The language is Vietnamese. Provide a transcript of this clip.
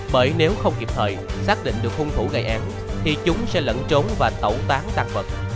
bởi nếu không kịp thời xác định được hung thủ gây án thì chúng sẽ lẫn trốn và tẩu tán tăng vật